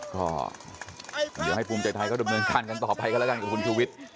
เดี๋ยวให้ภูมิใจไทยก็ดำเนินการกันต่อไปกับคุณชุวิต